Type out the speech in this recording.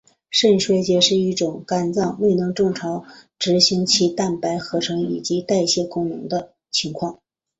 肝衰竭是一种肝脏未能正常执行其蛋白合成以及代谢功能的情况。